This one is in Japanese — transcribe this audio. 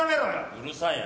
・うるさいな。